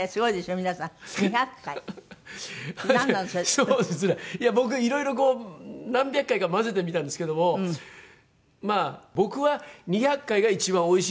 そうですねいや僕いろいろこう何百回か混ぜてみたんですけどもまあ僕は２００回が一番おいしいと思ったんですよ。